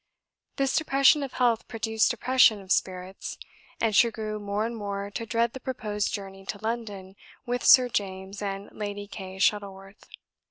This depression of health produced depression of spirits, and she grew more and more to dread the proposed journey to London with Sir James and Lady Kay Shuttleworth.